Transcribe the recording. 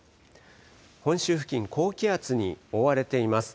本州付近、高気圧に覆われています。